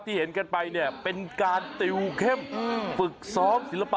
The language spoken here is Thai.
ที่เห็นกันไปเนี่ย